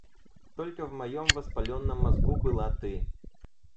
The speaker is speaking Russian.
Только в моем воспаленном мозгу была ты!